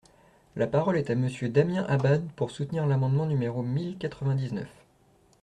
La parole est à Monsieur Damien Abad, pour soutenir l’amendement numéro mille quatre-vingt-dix-neuf.